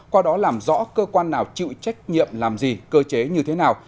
qua đó làm rõ cơ quan nào chịu trách nhiệm làm gì cơ chế như thế nào